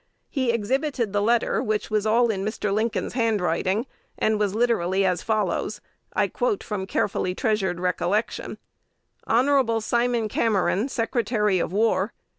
He exhibited the letter, which was all in Mr. Lincoln's handwriting, and was literally as follows. I quote from carefully treasured recollection: "'Hon. Simon Cameron, Secretary of War.